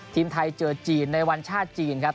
ทีมไทยเจอจีนในวันชาติจีนครับ